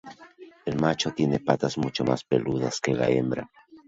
El macho tiene patas mucho más peludas que la hembra.